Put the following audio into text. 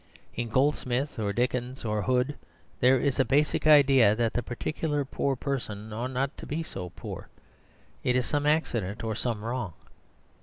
In Goldsmith or Dickens or Hood there is a basic idea that the particular poor person ought not to be so poor: it is some accident or some wrong.